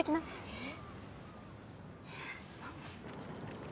えっ？